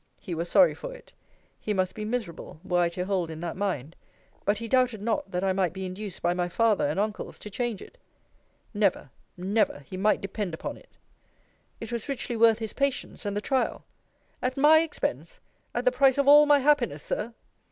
He was sorry for it. He must be miserable, were I to hold in that mind. But he doubted not, that I might be induced by my father and uncles to change it Never, never, he might depend upon it. It was richly worth his patience, and the trial. At my expense? At the price of all my happiness, Sir?